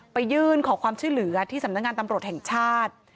ยื่นขอความช่วยเหลือที่สำนักงานตำรวจแห่งชาติ